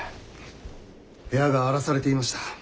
部屋が荒らされていました。